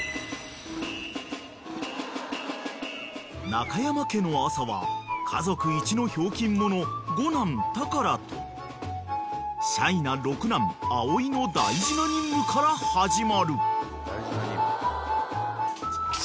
［中山家の朝は家族イチのひょうきん者五男天良とシャイな六男葵生の大事な任務から始まる］